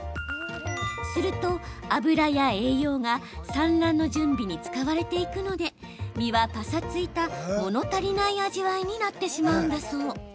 すると、脂や栄養が産卵の準備に使われていくので身はぱさついた、もの足りない味わいになってしまうんだそう。